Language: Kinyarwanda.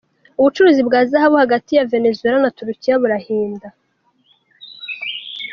Ubucuruzi bwa zahabu hagati ya Venezuela na Turukiya burahinda.